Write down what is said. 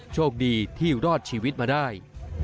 โชคดีที่รอดชีวิตมาได้